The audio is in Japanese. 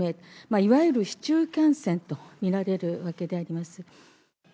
いわゆる市中感染と見られるわけであります。